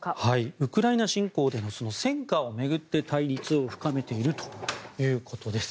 ウクライナ侵攻での戦果を巡って対立を深めているということです。